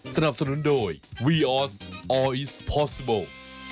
สนับสนุนโดยวีออสออร์อีสพอสซิบล